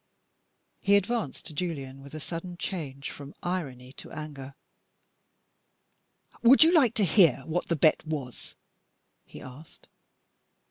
He advanced to Julian, with a sudden change from irony to anger. "Would you like to hear what the bet was?" he asked.